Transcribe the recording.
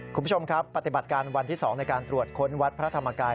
คุณผู้ชมครับปฏิบัติการวันที่๒ในการตรวจค้นวัดพระธรรมกาย